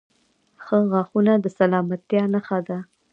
• ښه غاښونه د سلامتیا نښه ده.